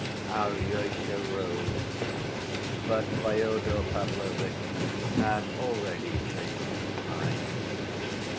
Alyosha rose, but Fyodor Pavlovitch had already changed his mind.